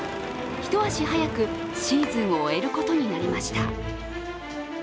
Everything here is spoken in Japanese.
一足早くシーズンを終えることになりました。